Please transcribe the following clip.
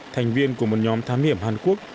thành viên của một nhóm thám hiểm hàn quốc